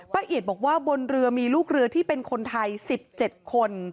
เอียดบอกว่าบนเรือมีลูกเรือที่เป็นคนไทย๑๗คน